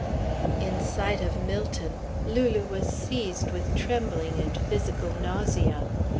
In sight of Millton, Lulu was seized with trembling and physical nausea.